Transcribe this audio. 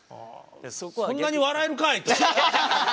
そんなに笑えるかいって。